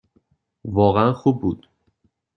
واقعاً خوب بود.